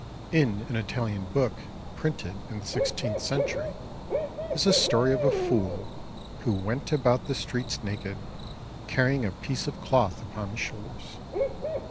In an Italian book printed in the sixteenth century is a story of a fool "who went about the streets naked, carrying a piece of cloth upon his shoulders.